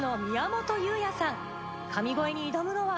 神声に挑むのは。